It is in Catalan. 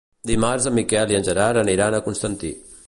Dimarts en Miquel i en Gerard aniran a Constantí.